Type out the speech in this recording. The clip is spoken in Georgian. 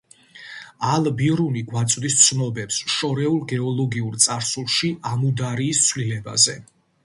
ალ ბირუნი გვაწვდის ცნობებს შორეულ გეოლოგიურ წარსულში ამუდარიის ცვლილებაზე.